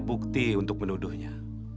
bukti untuk menuduhnya